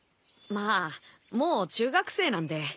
まあもう中学生なんで。